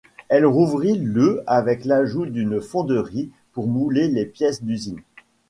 Elle rouvrit le avec l'ajout d'une fonderie pour mouler les pièces d'usine.